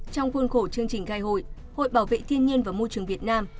trong khuôn khổ chương trình gai hội hội bảo vệ thiên nhiên và môi trường việt nam